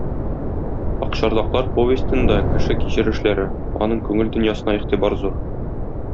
"Акчарлаклар" повестенда кеше кичерешләре, аның күңел дөньясына игътибар зур.